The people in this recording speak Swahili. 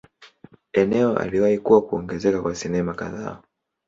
Eneo aliwahi kuwa kuongezeka kwa sinema kadhaa.